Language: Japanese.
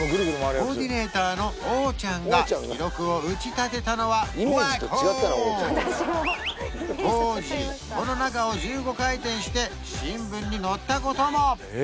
コーディネーターのおーちゃんが記録を打ち立てたのはブラックホール当時この中を１５回転して新聞に載ったことも！